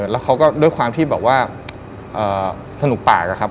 แล้วเขาก็ด้วยความที่แบบว่าสนุกปากนะครับ